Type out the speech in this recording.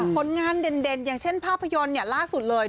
ผลงานเด่นอย่างเช่นภาพยนตร์ล่าสุดเลย